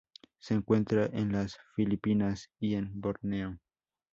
Se encuentra en las Filipinas y en Borneo.